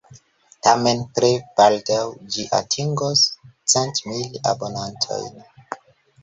Tamen, tre baldaŭ, ĝi atingos centmil abonantojn.